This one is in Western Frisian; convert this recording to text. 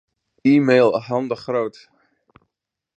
E-mail Han de Groot.